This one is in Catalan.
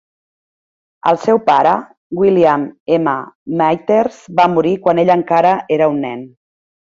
El seu pare, William M. Mathers, va morir quan ell encara era un nen.